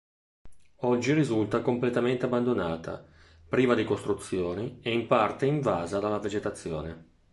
Oggi risulta completamente abbandonata, priva di costruzioni e in parte invasa dalla vegetazione.